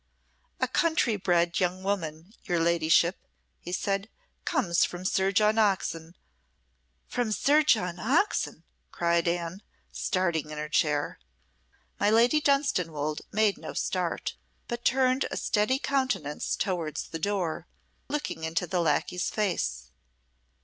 "A country bred young woman, your ladyship," he said, "comes from Sir John Oxon " "From Sir John Oxon!" cried Anne, starting in her chair. My Lady Dunstanwolde made no start, but turned a steady countenance towards the door, looking into the lacquey's face.